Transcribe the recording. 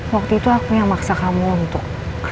waktu itu aku yang maksa kamu untuk